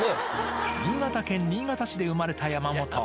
新潟県新潟市で生まれた山本。